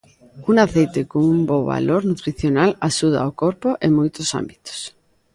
Un aceite cun bo valor nutricional axuda o corpo en moitos ámbitos.